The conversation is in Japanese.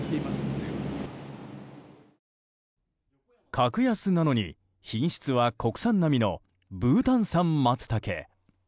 格安なのに、品質は国産並みのブータン産マツタケ。